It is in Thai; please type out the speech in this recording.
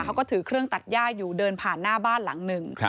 เขาก็ถือเครื่องตัดย่าอยู่เดินผ่านหน้าบ้านหลังหนึ่ง